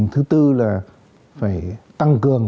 thứ bốn là phải tăng cường